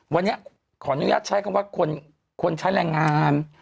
วันนี้ขออนุญาตใช้คำว่าคนใช้แรงงาน